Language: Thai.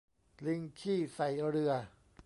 ลิงขี้ใส่เรือ